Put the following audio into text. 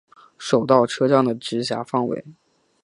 手稻车站的直辖范围。